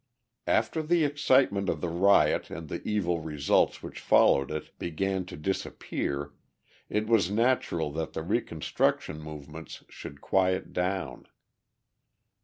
After the excitement of the riot and the evil results which followed it began to disappear it was natural that the reconstruction movements should quiet down.